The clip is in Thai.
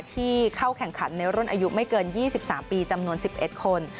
ที่เข้าแข่งขันในรุ่นอายุไม่เกิน๒๓ปีจำนวน๑๑คน